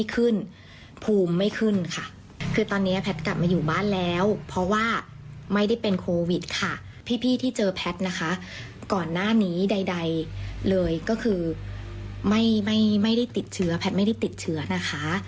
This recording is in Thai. เลยก็คือไม่ได้ติดเชื้อแพทย์ไม่ได้ติดเชื้อนะคะ